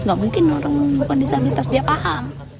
nggak mungkin orang bukan disabilitas dia paham